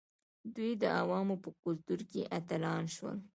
دوی د عوامو په کلتور کې اتلان شول.